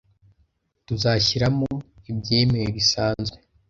Tuzashyiramo ibyemewe bisanzwe